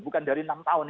bukan dari enam tahun